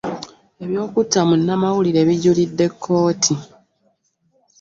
Eby'okutta mu nnamawulire bijulidde kkooti.